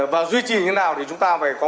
và duy trì như thế nào thì chúng ta phải có